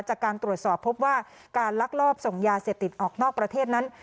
จากการตรวจสอบพบว่าการลักลอบส่งยาเสพติดออกนอกประเทศนั้น